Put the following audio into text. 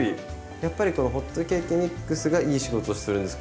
やっぱりこのホットケーキミックスがいい仕事をするんですか？